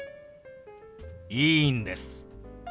いいんです。